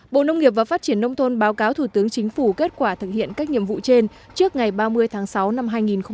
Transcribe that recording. bộ nông nghiệp và phát triển nông thôn báo cáo thủ tướng chính phủ kết quả thực hiện các nhiệm vụ trên trước ngày ba mươi tháng sáu năm hai nghìn một mươi chín